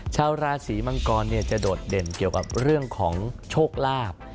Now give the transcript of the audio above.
ชาวราศีมังกรจะโดดเด่นเกี่ยวกับเรื่องของโชคลาภ